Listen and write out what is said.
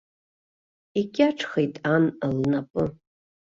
Икьаҿхеит ан лнапы.